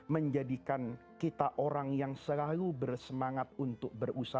menjadikan kita orang yang selalu bersemangat untuk berusaha